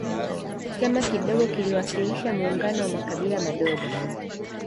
chama kidogo kiliwakilisha muungano wa makabila madogo